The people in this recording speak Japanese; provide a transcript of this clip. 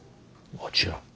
もちろん。